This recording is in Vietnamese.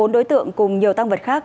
bốn đối tượng cùng nhiều tăng vật khác